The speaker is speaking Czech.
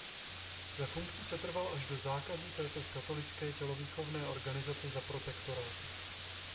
Ve funkci setrval až do zákazu této katolické tělovýchovné organizace za Protektorátu.